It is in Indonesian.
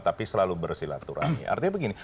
tapi selalu bersilaturahmi artinya begini